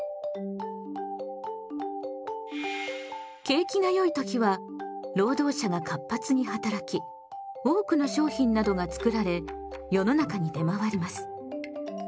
景気がよい時は労働者が活発に働き多くの商品などが作られ世の中に出回ります。